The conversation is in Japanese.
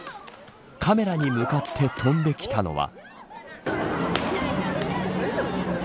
カメラに向かって飛んできたのは。